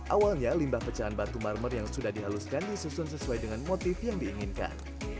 awalnya limbah pecahan batu marmer yang sudah dihaluskan disusun sesuai dengan motif yang diinginkan